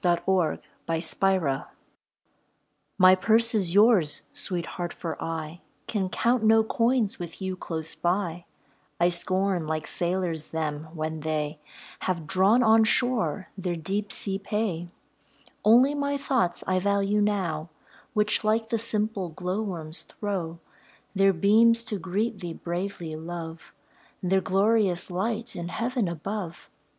A WOMAN'S CHARMS My purse is yours, Sweet Heart, for I Can count no coins with you close by; I scorn like sailors them, when they Have drawn on shore their deep sea pay; Only my thoughts I value now, Which, like the simple glowworms, throw Their beams to greet thee bravely, Love Their glorious light in Heaven above.